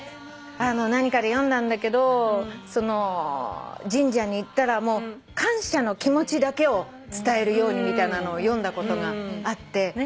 何かで読んだんだけど神社に行ったら感謝の気持ちだけを伝えるようにみたいなのを読んだことがあって。